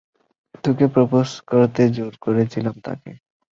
তোকে প্রপোজ করতে জোর করেছিলাম তাকে।